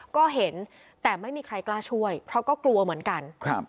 ก็เห็นแต่ไม่มีใครกล้าช่วยเพราะก็กลัวเหมือนกันครับ